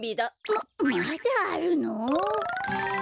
ままだあるの？